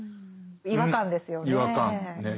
違和感ですよね。